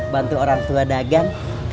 bantu orang tua dagang